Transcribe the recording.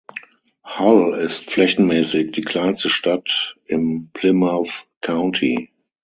Hull ist flächenmäßig die kleinste Stadt im Plymouth County.